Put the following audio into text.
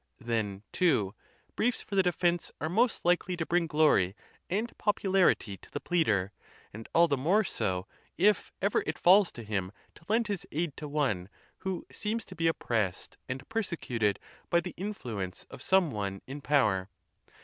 Then, too, briefs for the de fence are most Ukely to bring glory and popularity to the pleader, and all the more so, if ever it falls to him to lend his aid to one who seems to be oppressed and persecuted by the influence of some one in power.